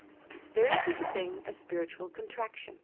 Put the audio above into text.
There is such a thing as "spirit ual contraction."